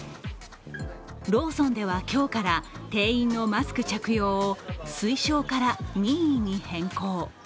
ローソンでは今日から店員のマスク着用を推奨から任意に変更。